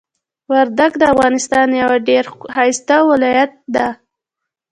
وردګ د افغانستان یو ډیر ښایسته ولایت ده.